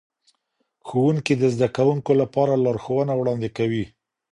ښوونکي د زدهکوونکو لپاره لارښوونه وړاندی کوي.